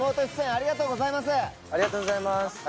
ありがとうございます。